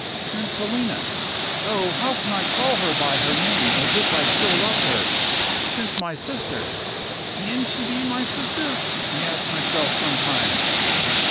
Since Helena oh, how can I call her by her name as if I still loved her? Since my sister can she be my sister, I ask myself sometimes!